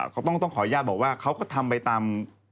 เขาต้องขออนุญาตบอกว่าเขาก็ทำไปตาม